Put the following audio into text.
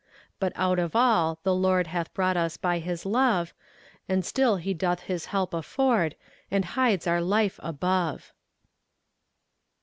But out of all the Lord Hath brought us by His love; And still he doth his help afford, And hides our life above.